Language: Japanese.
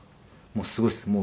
もうすごいです。